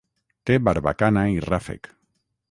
Té barbacana i ràfec.